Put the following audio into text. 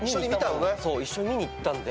一緒に見に行ったんで。